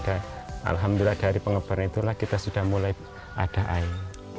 dan alhamdulillah dari pengeboran itulah kita sudah mulai ada air